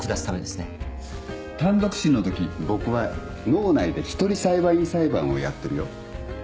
単独審のとき僕は脳内で一人裁判員裁判をやってるよ。